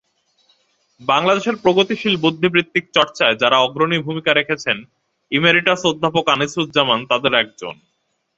বাংলাদেশের প্রগতিশীল বুদ্ধিবৃত্তিক চর্চায় যাঁরা অগ্রণী ভূমিকা রেখেছেন, ইমেরিটাস অধ্যাপক আনিসুজ্জামান তাঁদের একজন।